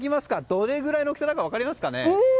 どれくらいの大きさか分かりますか？